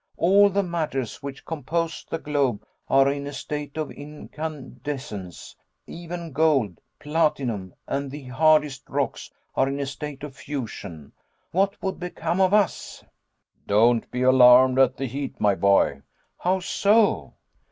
All the matters which compose the globe are in a state of incandescence; even gold, platinum, and the hardest rocks are in a state of fusion. What would become of us?" "Don't be alarmed at the heat, my boy." "How so?"